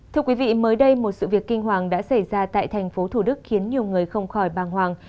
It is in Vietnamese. thưa quý vị mới đây một sự việc kinh hoàng đã xảy ra tại thành phố thủ đức khiến nhiều người không khỏi bàng hoàng